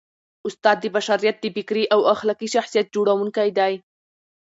استاد د بشریت د فکري او اخلاقي شخصیت جوړوونکی دی.